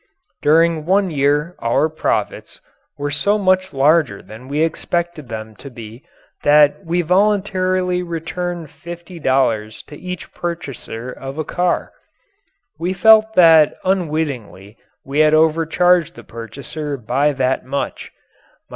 During one year our profits were so much larger than we expected them to be that we voluntarily returned fifty dollars to each purchaser of a car. We felt that unwittingly we had overcharged the purchaser by that much.